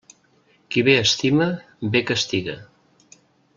Qui bé estima, bé castiga.